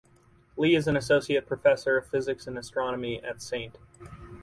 Lee is an Associate Professor of Physics and Astronomy at St.